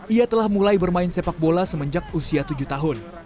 ia telah mulai bermain sepak bola semenjak usia tujuh tahun